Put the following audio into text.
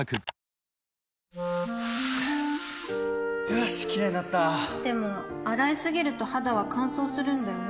よしキレイになったでも、洗いすぎると肌は乾燥するんだよね